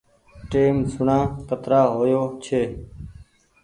ٽيم سوڻا ڪترا هويو ڇي